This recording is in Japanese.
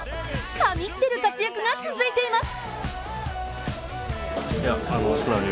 神ってる活躍が続いています。